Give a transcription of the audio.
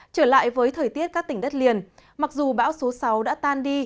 trở lại với thời tiết các tỉnh đất liền mặc dù bão số sáu đã tan đi